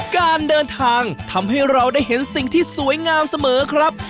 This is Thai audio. การเดินทางทำให้เราได้เห็นสิ่งที่สวยงามเสมอครับ